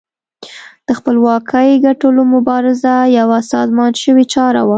د خپلواکۍ ګټلو مبارزه یوه سازمان شوې چاره وه.